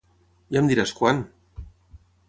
Ja em diràs quan!